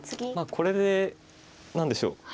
これで何でしょう。